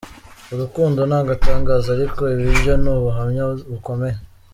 Urukundo ni agatangaza ariko ibi byo ni ubuhamya bukomeye.